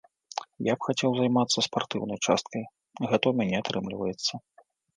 Я б хацеў займацца спартыўнай часткай, гэта ў мяне атрымліваецца.